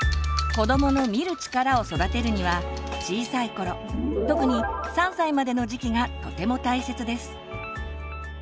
子どもの「見る力」を育てるには小さい頃特に３歳までの時期がとても大切です。